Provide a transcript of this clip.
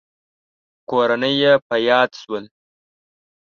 کورنۍ يې په ياد شول.